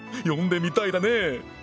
読んでみたいね！